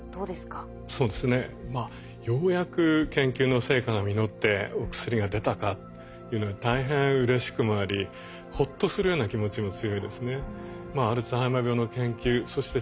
そうですねまあようやく研究の成果が実ってお薬が出たかっていうのが大変うれしくもありほっとするような気持ちも強いですね。